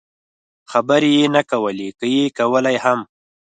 خبرې یې نه کولې، که یې کولای هم.